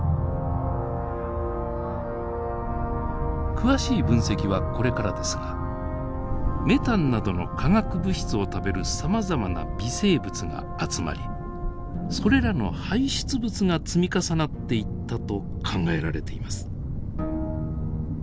詳しい分析はこれからですがメタンなどの化学物質を食べるさまざまな微生物が集まりそれらの排出物が積み重なっていったと考えられています。